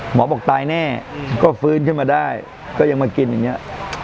บอกตายแน่ก็ฟื้นขึ้นมาได้ก็ยังมากินอย่างนี้